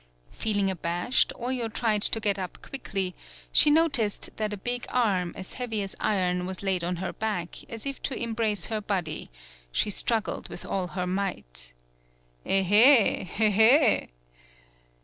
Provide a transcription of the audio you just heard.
Feel ing abashed, Oyo tried to get up quickly; she noticed that a big arm, as heavy as iron, was laid on her back as if to embrace her body; she struggled with all her might. "Ehelhelhe!"